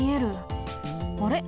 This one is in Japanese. あれ？